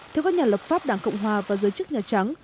theo các nhà lập pháp đảng cộng hòa và giới chức nhà trắng